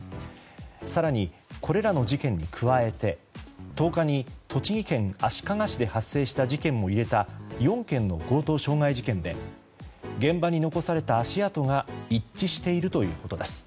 更に、これらの事件に加えて１０日に栃木県足利市で発生した事件を入れた４件の強盗傷害事件で現場に残された足跡が一致しているということです。